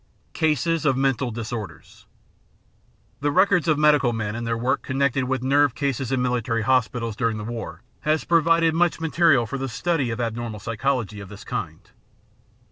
Cases of Mental Disorders The records of medical men in their work connected with nerve cases in military hospitals during the war has provided much material for the study of abnonnal psychology of this kind.